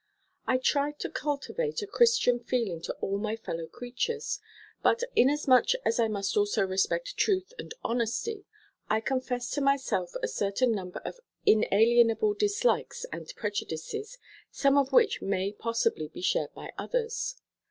I try to cultivate a Christian feeling to all my fellow creatures, but inasmuch as I must also respect truth and honesty, I confess to myself a certain number of inalienable dislikes and prejudices, some of which may possibly be shared by others.